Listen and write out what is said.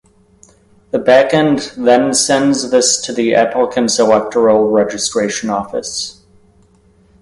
The back-end then sends this to the applicants electoral registration office.